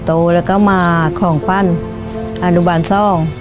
โตและก็มาของพันธุ์อนุบันทร่อง